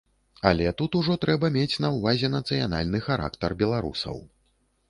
Але тут ужо трэба мець на ўвазе нацыянальны характар беларусаў.